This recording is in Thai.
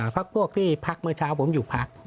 พักพวกที่พักเมื่อเช้าผมอยู่พัก